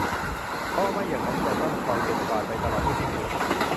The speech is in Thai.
เพราะไม่อย่างนั้นจะต้องคอยเก็บกวาดไปตลอดไม่สิ้นสุด